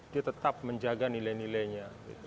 dia tetap menjaga nilai nilainya